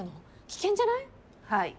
危険じゃない？